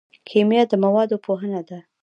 کیمیا د موادو پوهنه ده